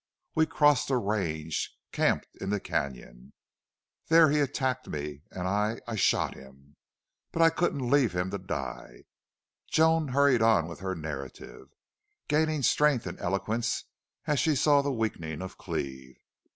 We crossed a range camped in the canon. There he attacked me and I I shot him!... But I couldn't leave him to die!" Joan hurried on with her narrative, gaining strength and eloquence as she saw the weakening of Cleve.